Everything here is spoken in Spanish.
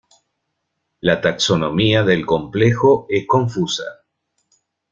La taxonomía del complejo es confusa.